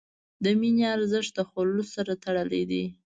د مینې ارزښت د خلوص سره تړلی دی.